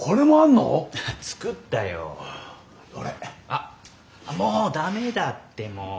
あっもうダメだってもう。